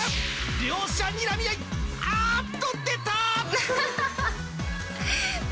両者にらみ合い、あーっと、何？